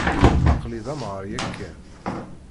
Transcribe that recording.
Aql-i d amɣar yakan.